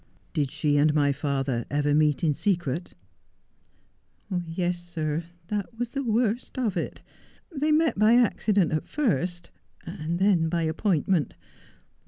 ' Did she and my father ever meet in secret ?'' Yes, sir, that was the worst of it. They met by accident at first, and then by appointment.